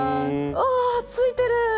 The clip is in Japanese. ああついてる。